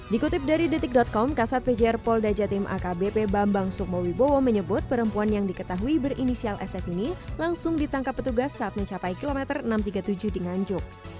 dikutip dari detik com kasat pjr polda jatim akbp bambang sukmowibowo menyebut perempuan yang diketahui berinisial sf ini langsung ditangkap petugas saat mencapai kilometer enam ratus tiga puluh tujuh di nganjuk